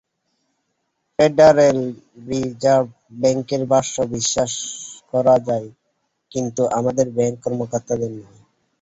Federal reserve ব্যাংকের ভাষ্য বিশ্বাস করা যায় কিন্তু আমাদের ব্যাংক কর্মকর্তাদের নয়।